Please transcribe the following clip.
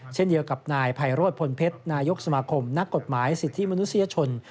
เช่นเดียวกับนายไพโรธพลเพชรนายกสมาคมนักกฎหมายสิทธิมนุษยชน